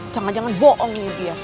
jangan jangan bohongin dia